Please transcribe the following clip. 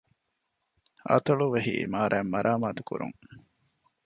އަތޮޅުވެހި އިމާރާތް މަރާމާތުކުރުން